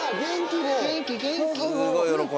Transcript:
元気、元気。